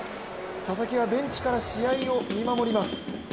佐々木はベンチから試合を見守ります。